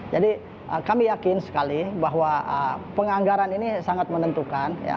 jadi kami yakin sekali bahwa penganggaran ini sangat menentukan ya